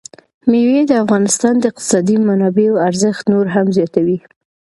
مېوې د افغانستان د اقتصادي منابعو ارزښت نور هم زیاتوي.